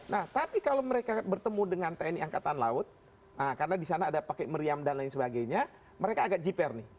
nah tapi kalau mereka bertemu dengan tni angkatan laut karena di sana ada pakai meriam dan lain sebagainya mereka agak jiper nih